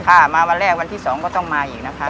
ค่ะมาวันแรกวันที่๒ก็ต้องมาอีกนะคะ